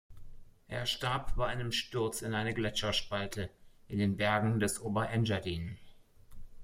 Er starb bei einem Sturz in eine Gletscherspalte in den Bergen des Oberengadin.